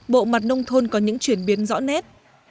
bộ mặt nông thôn có những chuyển biến rõ nét